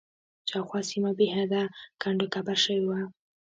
شاوخوا سیمه بېحده کنډ و کپر شوې وه.